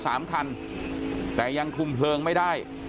สามคันแต่ยังคุมเพลิงไม่ได้